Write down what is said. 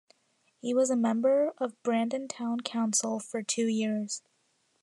He was a member of Brandon town council for two years.